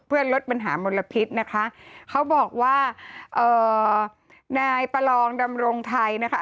เพื่อลดปัญหามลพิษนะคะเขาบอกว่าเอ่อนายประลองดำรงไทยนะคะ